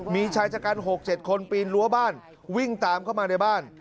มีชายจักรการหกเจ็ดคนปีนรั้วบ้านวิ่งตามเข้ามาในบ้าน